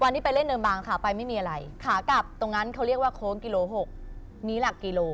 วันนี้ไปเล่นเนินบางขาไปไม่มีอะไรขากลับตรงนั้นเขาเรียกว่าโค้งกิโลหกมีหลักกิโล